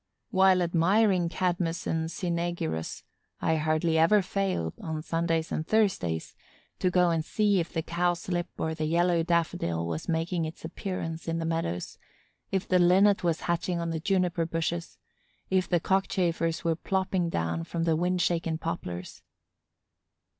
While admiring Cadmus and Cynœgirus, I hardly ever failed, on Sundays and Thursdays, to go and see if the cowslip or the yellow daffodil was making its appearance in the meadows, if the Linnet was hatching on the juniper bushes, if the Cockchafers were plopping down from the wind shaken poplars.